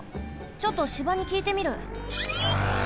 ちょっと芝にきいてみる。